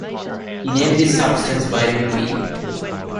He named this substance vitamin B.